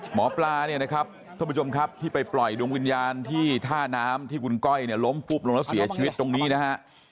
หมอปลาเนี่ยนะครับท่านผู้ชมครับที่ไปปล่อยดวงวิญญาณที่ท่าน้ำที่คุณก้อยเนี่ยล้มปุ๊บลงแล้วเสียชีวิตตรงนี้นะฮะ